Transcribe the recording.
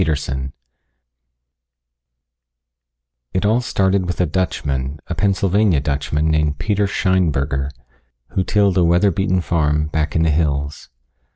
] It all started with a Dutchman, a Pennsylvania Dutchman named Peter Scheinberger, who tilled a weather beaten farm back in the hills.